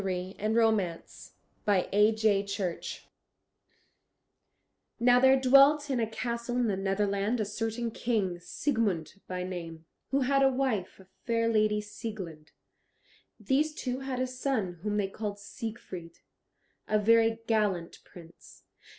CHAPTER VIII SIEGFRIED Now there dwelt in a castle in the Netherland a certain King, Siegmund by name, who had to wife a fair lady Sieglind. These two had a son whom they called Siegfried, a very gallant prince.